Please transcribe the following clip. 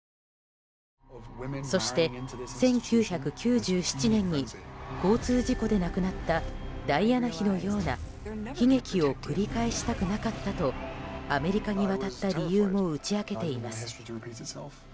そして、１９９７年に交通事故で亡くなったダイアナ妃のような悲劇を繰り返したくなかったとアメリカに渡った理由も打ち明けています。